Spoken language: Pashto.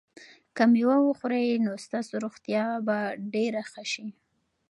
که مېوه وخورئ نو ستاسو روغتیا به ډېره ښه شي.